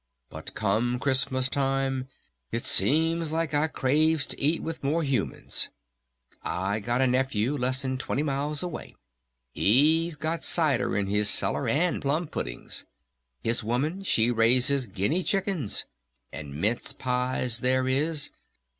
But come Christmas Time it seems like I craves to eat with More Humans.... I got a nephew less'n twenty miles away. He's got cider in his cellar. And plum puddings. His woman she raises guinea chickens. And mince pies there is.